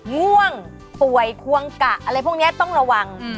ง่วงป่วยควงกะอะไรพวกนี้ต้องระวัง